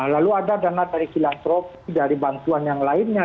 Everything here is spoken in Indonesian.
lalu ada dana dari filantropi dari bantuan yang lainnya